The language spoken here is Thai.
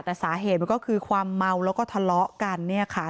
แต่สาเหตุมันก็คือความเมาแล้วก็ทะเลาะกันเนี่ยค่ะ